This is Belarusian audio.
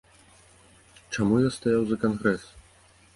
Чаму я стаяў за кангрэс?